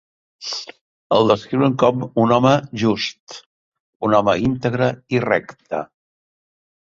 El descriuen com un "home just", un home íntegre i recte.